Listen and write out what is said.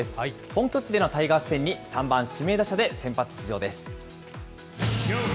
本拠地でのタイガース戦に３番指名打者で先発出場です。